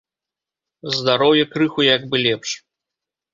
Здароўе крыху як бы лепш.